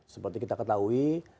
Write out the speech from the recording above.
seperti kita ketahui